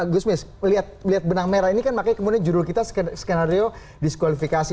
gusmis melihat benang merah ini kan makanya kemudian judul kita skenario diskualifikasi